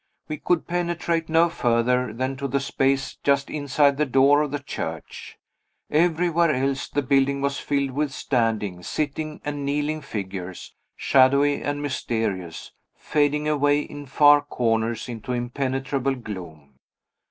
We could penetrate no further than to the space just inside the door of the church. Everywhere else the building was filled with standing, sitting and kneeling figures, shadowy and mysterious, fading away in far corners into impenetrable gloom.